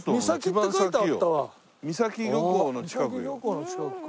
三崎漁港の近くか。